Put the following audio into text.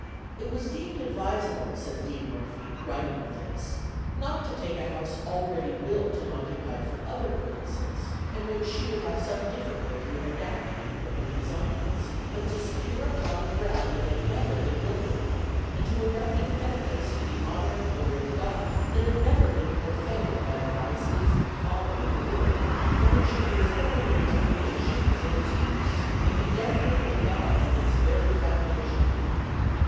"It was deemed advisable," says Dean Murphy, writing of this, "not to take a house already built and occupied for other purposes, and which she would have some difficulty in adapting to her own designs, but to secure a plot of ground that had never been built upon, and to erect an edifice for the honor and glory of God that had never been profaned by the vices and folly of the world, and which should be as holy in its creation as in its use, and be dedicated to God from its very foundation."